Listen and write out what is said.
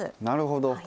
なるほど。